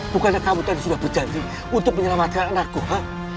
bukannya kamu tadi sudah berjanji untuk menyelamatkan anakku ha